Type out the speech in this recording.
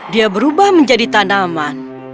dia berubah menjadi tanaman